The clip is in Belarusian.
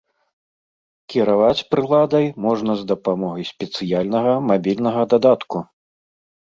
Кіраваць прыладай можна з дапамогай спецыяльнага мабільнага дадатку.